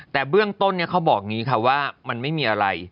แต่เรื่องต้นเนี้ยเขาบอกงี้ค่ะว่ามันไม่มีอะไร